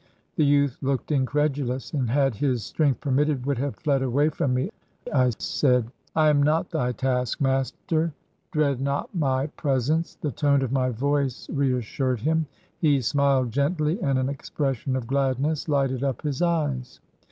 The youth looked incredulous, and, had his strength permitted, would have fled away from me. I said :—" I am not thy taskmaster ! Dread not my presence !" The tone of my voice reassured him. He smiled gently, and an expression of gladness lighted up his eyes.